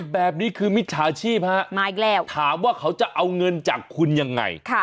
แบบนี้คือมิถาชีพฮะถามว่าเขาจะเอาเงินจากคุณยังไง